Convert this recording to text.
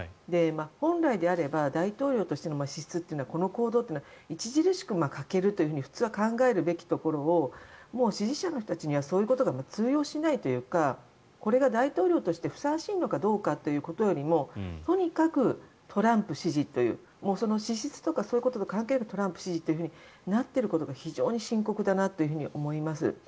本来であれば大統領としての資質というのはこの行動というのは著しく欠けると普通は考えるべきところを支持者の人たちにはそういうことが通用しないというかこれが大統領としてふさわしいのかどうかということよりもとにかくトランプ支持というその資質とかそういうこと関係なくトランプ支持となっていることが非常に深刻だなと思います。